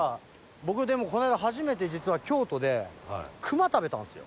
僕でもこの間初めて実は京都で熊食べたんですよ。